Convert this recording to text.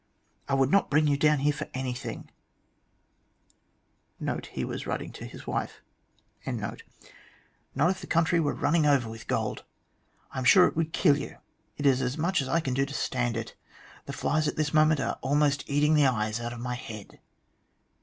I would not bring you down here for anything " (he was writing to his wife), " not if the country was running over with 118 THE GLADSTONE COLONY gold. I am sure it would kill you ; it is as much as I can do to stand it. The flies at this moment are almost eating the eyes out of my head."